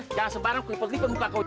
jangan sembarang mempelipat engkau